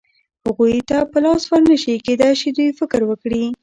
هغوی ته په لاس ور نه شي، کېدای شي دوی فکر وکړي.